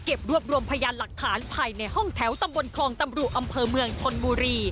รวบรวมพยานหลักฐานภายในห้องแถวตำบลคลองตำรุอำเภอเมืองชนบุรี